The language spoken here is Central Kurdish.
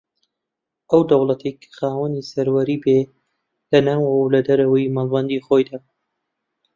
ئەو دەوڵەتەیە کە خاوەنی سەروەری بێ لە ناوەوە و لە دەرەوەی مەڵبەندی خۆیدا